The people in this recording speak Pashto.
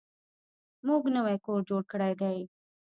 موږ نوی کور جوړ کړی دی.